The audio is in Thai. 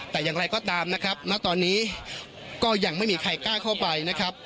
แต่อย่างไรก็ตามนะครับณตอนนี้ก็ยังไม่มีใครกล้าเข้าไปนะครับ